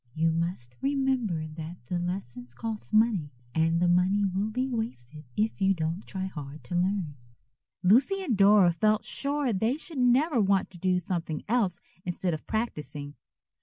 "You must remember that the lessons cost money, and the money will be wasted if you don't try hard to learn." Lucy and Dora felt sure they should never want to do something else instead of practising.